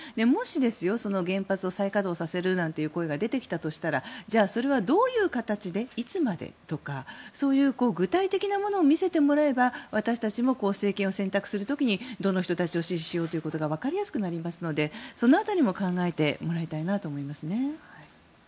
もし、原発を再稼働させるなんて声が出てきたとしたらじゃあそれはどういう形でいつまでとかそういう具体的なものを見せてもらえば私たちも政権を選択する時にどの人たちを支持しようということがわかりやすくなりますのでその辺りも考えてもらいたいなと思います。